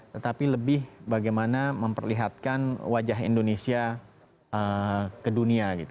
tetapi lebih bagaimana memperlihatkan wajah indonesia ke dunia